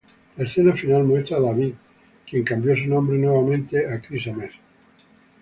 La escena final muestra a David, quien cambió su nombre nuevamente a Chris Ames.